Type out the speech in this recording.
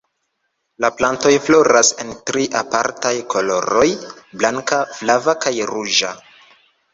La plantoj floras en tri apartaj koloroj: blanka, flava kaj ruĝa.